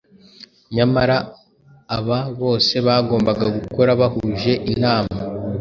Nyamara aba bose bagombaga gukora bahuje inama.